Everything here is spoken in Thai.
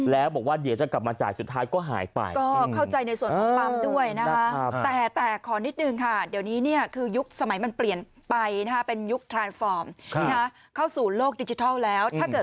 แล้วบอกว่าเดี๋ยวจะกลับมาจ่ายสุดท้ายก็หายไป